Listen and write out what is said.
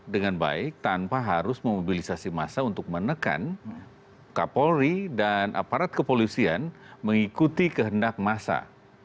dengan baik tanpa harus memobilisasi massa untuk menekan kapolri dan aparat kepolisian mengikuti kehendak masa